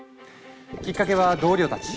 きっかけは同僚たち。